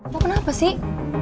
lo kenapa sih